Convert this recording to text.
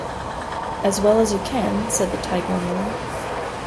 ‘As well as you can,’ said the Tiger-lily.